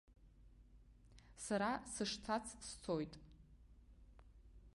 Сара сышцац сцоит.